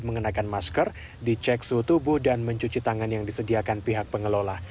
mengenakan masker dicek suhu tubuh dan mencuci tangan yang disediakan pihak pengelola